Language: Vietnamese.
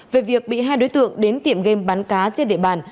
về việc bị hai đối tượng đến tiệm game bắn cá trên địa bàn